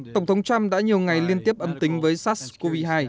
tổng thống trump đã nhiều ngày liên tiếp âm tính với sars cov hai